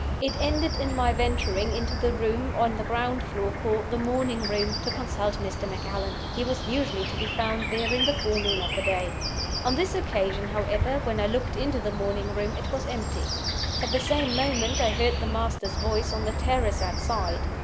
It ended in my venturing into the room on the ground floor called the Morning Room, to consult Mr. Macallan. He was usually to be found there in the forenoon of the day. "On this occasion, however, when I looked into the Morning Room it was empty. "At the same moment I heard the master's voice on the terrace outside.